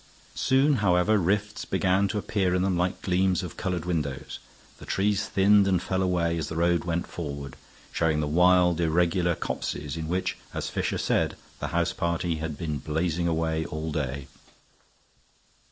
Soon, however, rifts began to appear in them like gleams of colored windows; the trees thinned and fell away as the road went forward, showing the wild, irregular copses in which, as Fisher said, the house party had been blazing away all day.